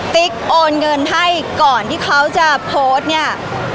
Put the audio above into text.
ติ๊กโอนเงินให้ก่อนที่เขาจะโพสต์เนี่ย